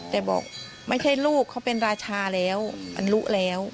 แต่บอกไม่ใช่ลูกเขาเป็นราชาแล้วอนุแล้ว